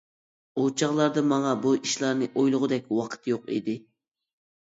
ئۇ چاغلاردا ماڭا بۇ ئىشلارنى ئويلىغۇدەك ۋاقىت يوق ئىدى.